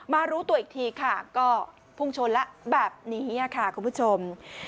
รู้ตัวอีกทีค่ะก็พุ่งชนแล้วแบบนี้ค่ะคุณผู้ชม